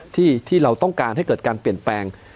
ที่เราต้องการให้เกิดการเปลี่ยนแปลง